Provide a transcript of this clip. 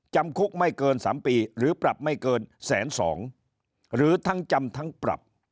จำคุกไม่เกิน๓ปีหรือปรับไม่เกินแสนสองหรือทั้งจำทั้งปรับ